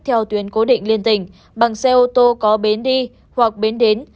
theo tuyến cố định liên tỉnh bằng xe ô tô có bến đi hoặc bến đến